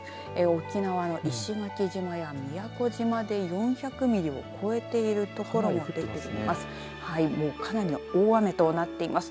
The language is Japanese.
沖縄の石垣島や宮古島で４００ミリを超えている所も出ています。